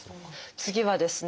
次はですね